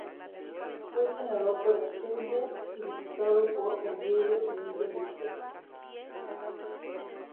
Fue senador por Asturias y diputado por Oviedo y Villaviciosa.